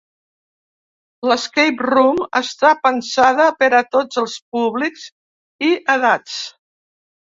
La ‘escape room’ està pensada per a tots els públics i edats.